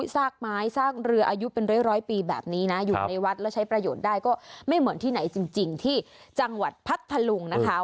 ซากไม้ซากเรืออายุเป็นร้อยปีแบบนี้นะอยู่ในวัดแล้วใช้ประโยชน์ได้ก็ไม่เหมือนที่ไหนจริงที่จังหวัดพัทธลุงนะคะ